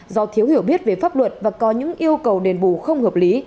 do thiếu hiểu biết về pháp luật và có những yêu cầu đền bù không hợp lý